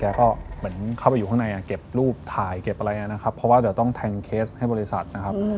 แกก็เหมือนเข้าไปอยู่ข้างในอะ